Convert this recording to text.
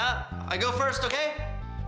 saya pergi dulu ya